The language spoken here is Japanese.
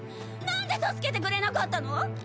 何で助けてくれなかったの！？